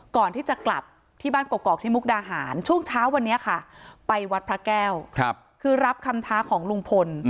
ก่อนที่จะกลับที่บ้านกอกที่มุกดาหารช่วงเช้าวันนี้ค่ะไปวัดพระแก้วคือรับคำท้าของลุงพล